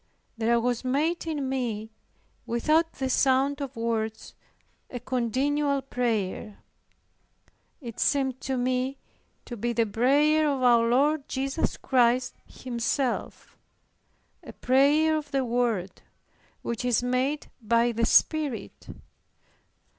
There was made in me, without the sound of words, a continual prayer. It seemed to me to be the prayer of our Lord Jesus Christ Himself; a prayer of the Word, which is made by the Spirit.